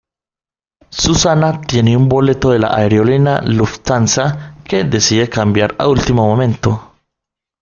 Susana tiene un boleto de la aerolínea Lufthansa que decide cambiar a último momento.